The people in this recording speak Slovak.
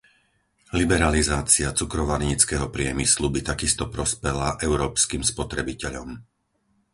Liberalizácia cukrovarníckeho priemyslu by takisto prospela európskym spotrebiteľom.